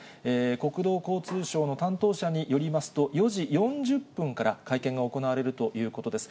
国土交通省の担当者によりますと、４時４０分から会見が行われるということです。